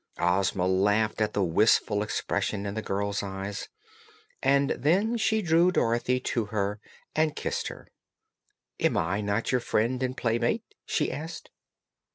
Ozma laughed at the wistful expression in the girl's eyes, and then she drew Dorothy to her and kissed her. "Am I not your friend and playmate?" she asked.